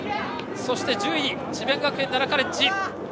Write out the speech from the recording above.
そして１０位智弁学園、奈良カレッジ。